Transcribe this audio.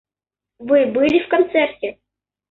Вы были в концерте?